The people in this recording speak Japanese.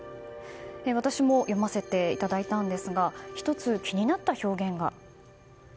私も読ませていただいたんですが１つ気になった表現が。